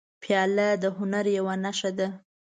پیاله د هنر یوه نښه ده.